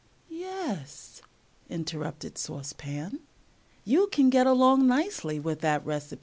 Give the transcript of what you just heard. '" "Yes," interrupted Sauce Pan, "you can get along nicely with that recipe."